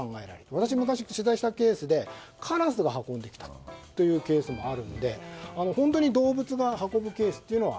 私が取材したケースでカラスが運んできたというケースもあるので本当に動物が運ぶケースは。